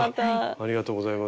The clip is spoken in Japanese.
ありがとうございます。